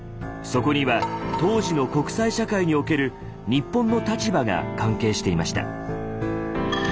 そこには当時の国際社会における日本の立場が関係していました。